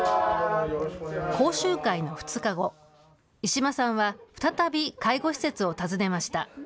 講習会の２日後、石間さんは再び介護施設を訪ねました。